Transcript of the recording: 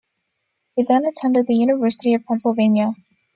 He then attended the University of Pennsylvania.